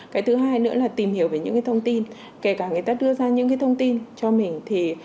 cái thứ hai nữa là tìm hiểu về những thông tin kể cả người ta đưa ra những thông tin cho mình